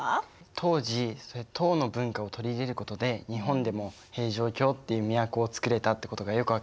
当時唐の文化を取り入れることで日本でも平城京っていう都をつくれたってことがよく分かりました。